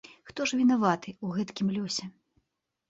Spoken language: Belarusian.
Хто ж вінаваты ў гэткім лёсе?